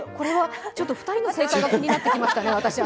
２人の正解が気になってきましたね。